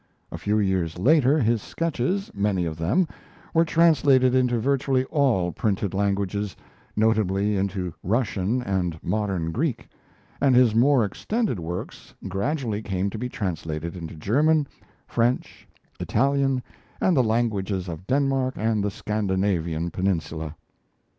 A few years later his sketches, many of them, were translated into virtually all printed languages, notably into Russian and modern Greek; and his more extended works gradually came to be translated into German, French, Italian, and the languages of Denmark and the Scandinavian peninsula.